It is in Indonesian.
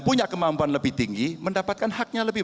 jadi saya mau bicara tentang hal hal yang terjadi di negara ini